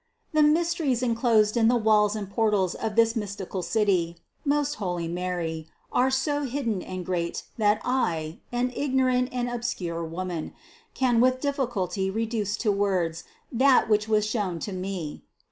The mysteries enclosed in the walls and por tals of this mystical City, most holy Mary, are so hidden and great that I, an ignorant and obscure woman, can with difficulty reduce to words that which was shown to me.